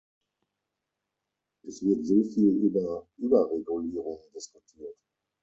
Es wird so viel über Überregulierung diskutiert.